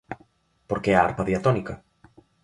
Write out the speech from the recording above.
Por que a arpa diatónica?